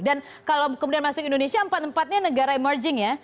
dan kalau kemudian masuk indonesia empat empatnya negara emerging ya